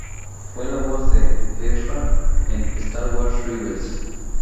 Fue la voz de Ezra en "Star Wars Rebels".